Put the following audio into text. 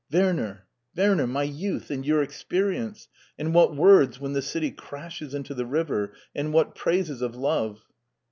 Werner, Werner! My youth and your experience! And what words when the city crashes into the river, and what praises of love!"